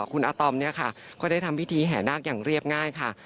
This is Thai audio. คุณอาตอมเนี่ยค่ะก็ได้ทำพิธีแห่นาคอย่างเรียบง่ายค่ะ